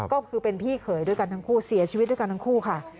ก็คือเป็นพี่เขยด้วยกันทั้งคู่เสียชีวิตด้วยกันทั้งคู่ค่ะ